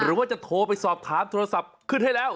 หรือว่าจะโทรไปสอบถามโทรศัพท์ขึ้นให้แล้ว๐๘๗๓๑๐๙๓๙๑